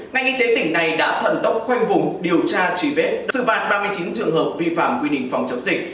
ngành y tế tỉnh này đã thần tốc khoanh vùng điều tra truy vết đưa vạt ba mươi chín trường hợp vi phạm quy định phòng chống dịch